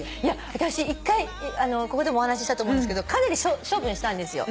あたし一回ここでもお話ししたと思うんですけどかなり処分したんですよ。